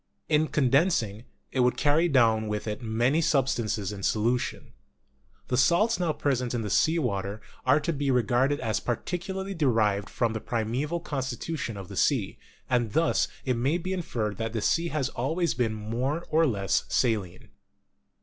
In condensing, it would carry down with it many substances in solution. The salts now present in sea water are to be regarded as partially de rived from the primeval constitution of the sea, and thus it may be inferred that the sea has always been more or less saline.